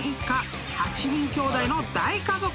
［８人きょうだいの大家族］